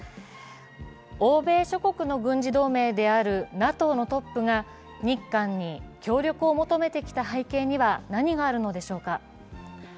欧米諸国の軍事同盟であるＮＡＴＯのトップが日韓に協力を求めてきた背景には何があるのでしょうか。